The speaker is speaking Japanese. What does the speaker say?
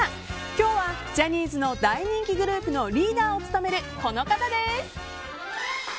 今日はジャニーズの大人気グループのリーダーを務める、この方です。